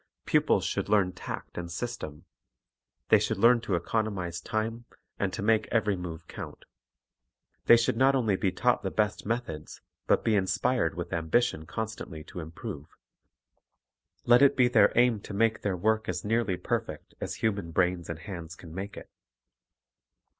Pupils should learn tact and system; the}' should learn to economize time, and to make every move count. They should not only be taught the best methods, but be inspired with ambition constantly to improve Let it be their aim to make their work as nearly perfect as human brains and hands can make it.